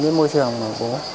tính đến môi trường mà bố